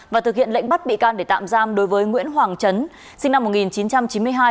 và thực hiện lệnh bắt bị can để tạm giam đối với nguyễn hoàng chấn sinh năm một nghìn chín trăm chín mươi hai